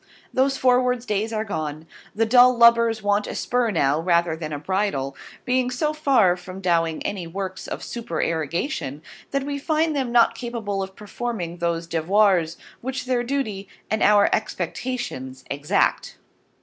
Those forwards Days are gone, The dull Lubbers want a Spur now, rather than a Bridle: being so far from doing any works of Supererregation that we find them not capable of performing those Devoirs which their Duty, and our Expectations Exact.